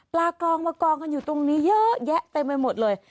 กองมากองกันอยู่ตรงนี้เยอะแยะเต็มไปหมดเลย